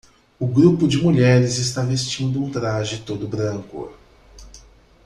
O grupo de mulheres está vestindo um traje todo branco.